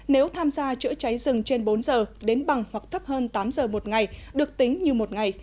nếu tham gia chữa trái rừng trên bốn h đến bằng hoặc thấp hơn tám h một ngày được tính như một ngày